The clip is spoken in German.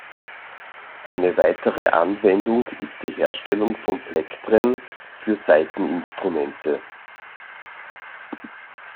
Eine weitere Anwendung ist die Herstellung von Plektren für Saiteninstrumente.